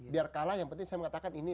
biar kalah yang penting saya mengatakan ini